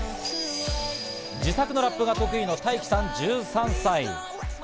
自作のラップが得意のタイキさん、１３歳。